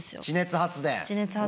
地熱発電。